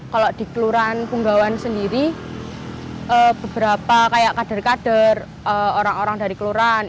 kalau di kelurahan punggawan sendiri beberapa kayak kader kader orang orang dari kelurahan